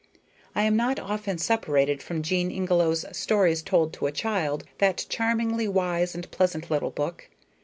I am not often separated from Jean Ingelow's "Stories told to a Child," that charmingly wise and pleasant little book.